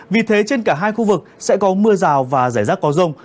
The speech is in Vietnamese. vì thế trên cả hai khu vực sẽ có mưa rào và rải rác có rông